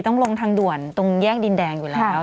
ต้องลงทางด่วนตรงแยกดินแดงอยู่แล้ว